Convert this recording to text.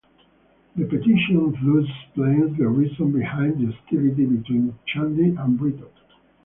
The petition thus explains the reason behind the hostility between Chandy and Britto.